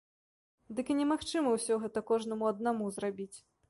Дык і немагчыма ўсё гэта кожнаму аднаму зрабіць.